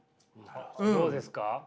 どうですか？